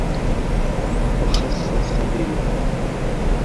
وَخَصَّ الصَّبِيَّ